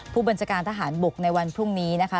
ผู้บัญชาการทหารบกในวันพรุ่งนี้นะคะ